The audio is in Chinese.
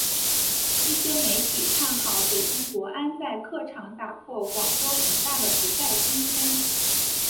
一些媒体看好北京国安在客场打破广州恒大的不败金身。